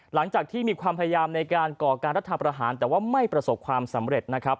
หลังจากที่มีความพยายามในการก่อการรัฐประหารแต่ว่าไม่ประสบความสำเร็จนะครับ